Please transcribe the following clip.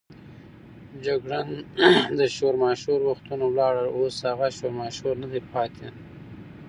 جګړن: د شورماشور وختونه ولاړل، اوس هغه شورماشور نه دی پاتې.